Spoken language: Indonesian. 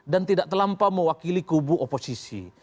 dan tidak terlampau mewakili kubu oposisi